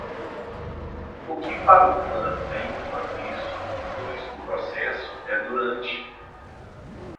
O que para o plano é "enquanto isso", pois o processo é "durante".